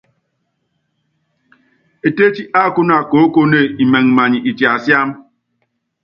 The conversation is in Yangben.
Etétí ákúna koókoné imɛŋ many itiasiám.